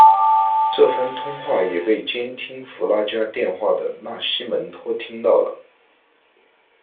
这番通话也被监听弗拉加电话的纳西门托听到了。